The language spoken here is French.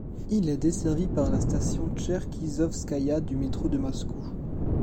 Il est desservi par la station Tcherkizovskaïa du métro de Moscou.